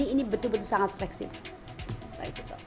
ini betul betul sangat fleksibel